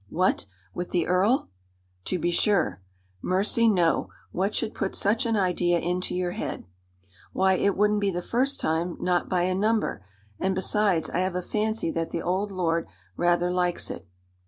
"What! with the earl?" "To be sure." "Mercy, no! What should put such an idea into your head?" "Why, it wouldn't be the first time, not by a number; and, besides, I have a fancy that the old lord rather likes it."